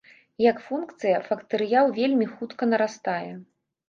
Як функцыя, фактарыял вельмі хутка нарастае.